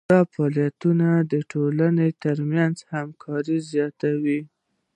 دا فعالیتونه د ټولنې ترمنځ همکاري زیاتوي.